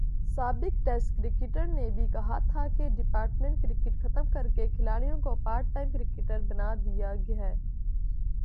سابق test cricketer نے بھی کہا تھا کہ ڈپارٹمنٹ کرکٹ ختم کر کے کھلاڑیوں کو پارٹ ٹائم کرکٹر بنادیا ہے۔